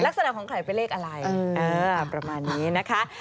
ลักษณะของใครเป็นเลขอะไรประมาณนี้นะคะ